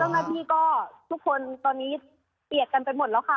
เจ้าหน้าที่ก็ทุกคนตอนนี้เปียกกันไปหมดแล้วค่ะ